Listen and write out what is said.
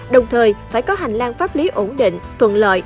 đồng thời phải có hành lang pháp lý ổn định thuận lợi